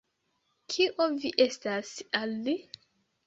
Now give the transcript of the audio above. Kio vi estas al li?